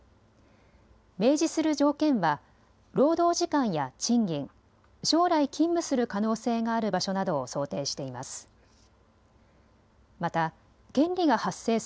明示する条件は労働時間や賃金、将来、勤務する可能性がある場所などを想定しています。